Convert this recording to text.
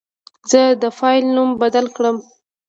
زه د فایل نوم بدل کوم.